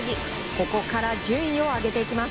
ここから順位を上げていきます。